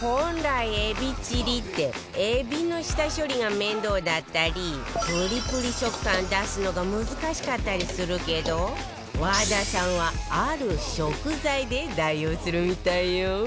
本来エビチリってエビの下処理が面倒だったりプリプリ食感出すのが難しかったりするけど和田さんはある食材で代用するみたいよ